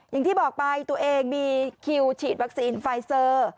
อย่างที่บอกไปตัวเองมีคิวฉีดวัคซีนไฟเซอร์